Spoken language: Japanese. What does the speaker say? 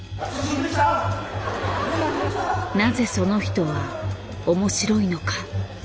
なぜその人は面白いのか。